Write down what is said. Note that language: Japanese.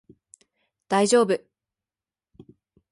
大丈夫